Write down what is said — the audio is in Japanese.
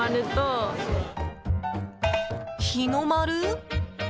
日の丸？